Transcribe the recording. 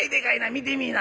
見てみぃな。